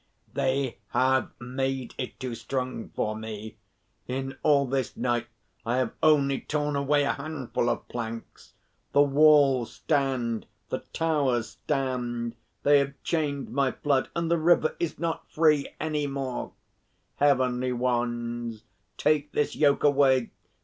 "They have made it too strong for me. In all this night I have only torn away a handful of planks. The walls stand. The towers stand. They have chained my flood, and the river is not free any more. Heavenly Ones, take this yoke away!